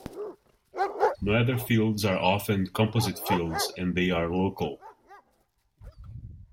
Noether fields are often composite fields and they are local.